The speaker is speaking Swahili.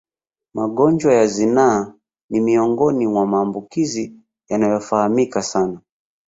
Magonjwa ya zinaa ni miongoni mwa maambukizi yanayofahamika sana